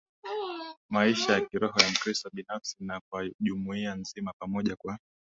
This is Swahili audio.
maisha ya Kiroho ya Mkristo binafsi na kwa jumuia nzima pamoja Kwa